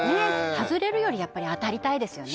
外れるより当たりたいですよね